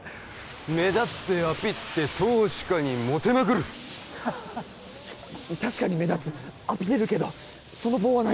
目立ってアピって投資家にモテまくる確かに目立つアピれるけどその棒は何？